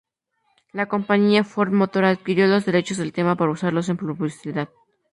La compañía Ford Motor adquirió los derechos del tema para usarlo en publicidad.